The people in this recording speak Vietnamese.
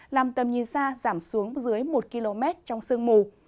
làm tầm nhìn xa giảm xuống dưới một km trong sương mù